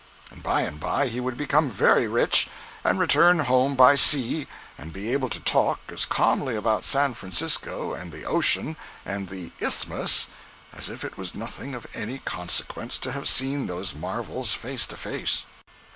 And by and by he would become very rich, and return home by sea, and be able to talk as calmly about San Francisco and the ocean, and "the isthmus" as if it was nothing of any consequence to have seen those marvels face to face.